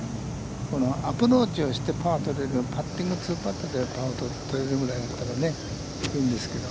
アプローチして、パッティング、２パットで取れるぐらいだったらいいんですけど。